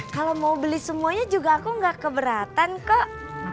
kalau mau beli semuanya juga aku gak keberatan kok